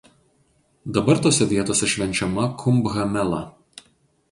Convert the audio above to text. Dabar tose vietose švenčiama kumbha mela.